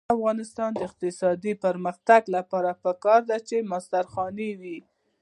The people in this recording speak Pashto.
د افغانستان د اقتصادي پرمختګ لپاره پکار ده چې مستري خانې وي.